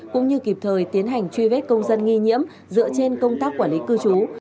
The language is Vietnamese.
cũng như kịp thời tiến hành truy vết công dân nghi nhiễm dựa trên công tác quản lý cư trú